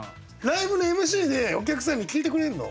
ライブのＭＣでお客さんに聞いてくれんの？